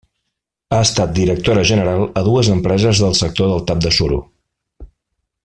Ha estat directora general a dues empreses del sector del tap de suro.